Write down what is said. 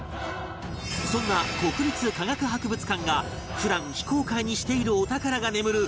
そんな国立科学博物館が普段非公開にしているお宝が眠る